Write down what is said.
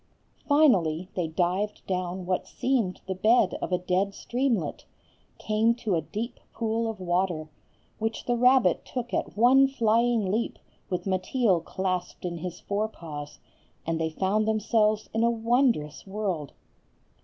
Finally, they dived down what seemed the bed of a dead streamlet, came to a deep pool of water, which the rabbit took at one flying leap with Mateel clasped in his forepaws, and they found themselves in a wondrous world.